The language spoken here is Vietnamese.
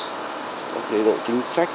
các chế độ chính sách